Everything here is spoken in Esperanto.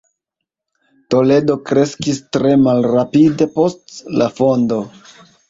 Toledo kreskis tre malrapide post la fondo.